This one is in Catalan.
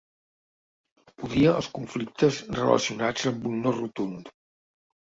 Odia els conflictes relacionats amb un no rotund.